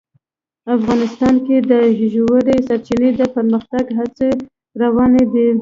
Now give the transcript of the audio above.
افغانستان کې د ژورې سرچینې د پرمختګ هڅې روانې دي.